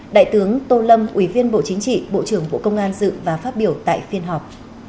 đại tướng tô lâm ủy viên bộ chính trị bộ trưởng bộ công an dự và phát biểu tại phiên họp